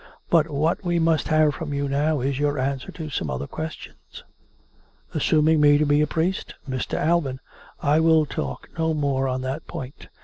But what we must have from you now is your answer to some other questions." " Assuming me to be a priest? "" Mr. Alban, I will talk no more on that point.